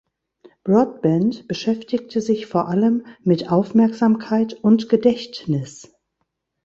Broadbent beschäftigte sich vor allem mit Aufmerksamkeit und Gedächtnis.